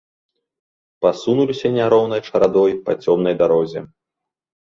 Пасунуліся няроўнай чарадой па цёмнай дарозе.